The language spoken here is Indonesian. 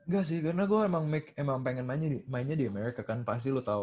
gak sih karena gua emang pengen mainnya di amerika kan pasti lu tau